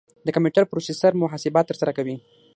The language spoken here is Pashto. د کمپیوټر پروسیسر محاسبات ترسره کوي.